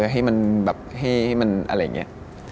อย่างไรดีเออถึงสีไป